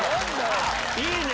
いいね！